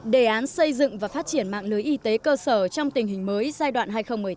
đề án xây dựng và phát triển mạng lưới y tế cơ sở trong tình hình mới giai đoạn hai nghìn một mươi sáu hai nghìn hai mươi